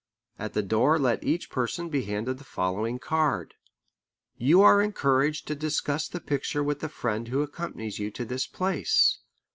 At the door let each person be handed the following card: "You are encouraged to discuss the picture with the friend who accompanies you to this place.